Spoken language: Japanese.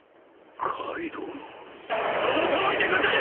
そのとおりでござる！